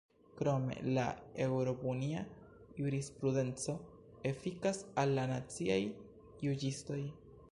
Krome, la eŭropunia jurisprudenco efikas al la naciaj juĝistoj.